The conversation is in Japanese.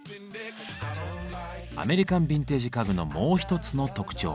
アメリカンビンテージ家具のもう一つの特徴。